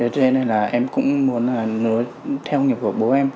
cho nên là em cũng muốn nói theo nghiệp của bố em